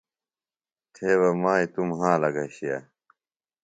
تھے بہ مائیے توۡ مھالہ گھشیِہ